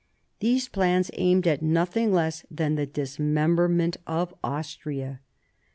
These plans aimed at nothing less than the dismemberment of Austria.